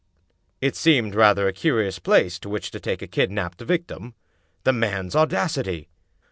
" It seemed rather a curious place to which to take a kid naped victim. The man's audacity!